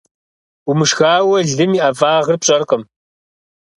Умышхауэ, лым и ӀэфӀагъыр пщӀэркъым.